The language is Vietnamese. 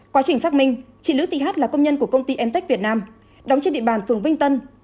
quá trình xác minh chị lữ thị h là công nhân của công ty mtech việt nam đóng trên địa bàn phường vinh tân